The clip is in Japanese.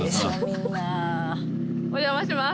お邪魔します。